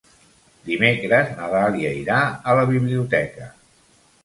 Dimecres na Dàlia irà a la biblioteca.